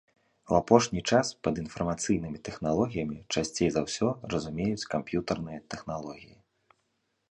У апошні час пад інфармацыйнымі тэхналогіямі часцей за ўсё разумеюць камп'ютарныя тэхналогіі.